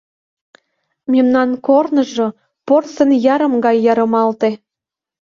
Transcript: Мемнан корныжо порсын ярым гай ярымалте.